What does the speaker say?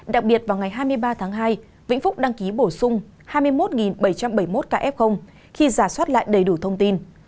đặc biệt vào ngày hai mươi ba tháng hai vĩnh phúc đăng ký bổ sung hai mươi một bảy trăm bảy mươi một kf khi giả soát lại đầy đủ thông tin